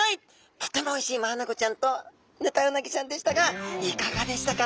とてもおいしいマアナゴちゃんとヌタウナギちゃんでしたがいかがでしたか？